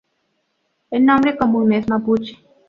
El nombre común es mapuche.